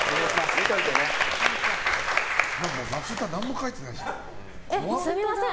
名札、何も書いてないじゃん。